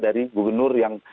dari gubernur yang